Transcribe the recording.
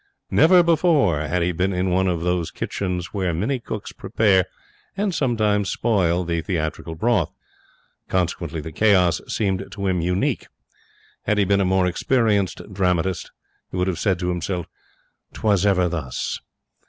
Never before had he been in one of those kitchens where many cooks prepare, and sometimes spoil, the theatrical broth. Consequently the chaos seemed to him unique. Had he been a more experienced dramatist, he would have said to himself, 'Twas ever thus.'